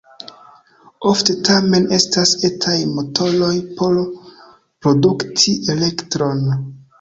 Ofte tamen estas etaj motoroj por produkti elektron.